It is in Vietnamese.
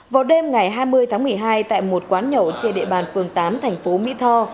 vào đêm ngày hai mươi tháng một mươi hai tại một quán nhậu trên địa bàn phường tám thành phố mỹ tho